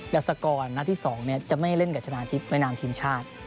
ดัสสกรณ์ที่สองจะไม่ให้เล่นกับชนะอาทิตย์แม่นามทีมชาติ